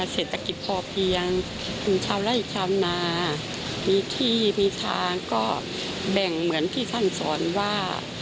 เศรษฐกิจพอเพียงชาวไล่ชาวนามีที่มีทางก็แบ่งเหมือนที่ท่านสอนว่า